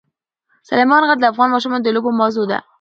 سلیمان غر د افغان ماشومانو د لوبو موضوع ده.